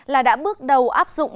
là đã bước đầu áp dụng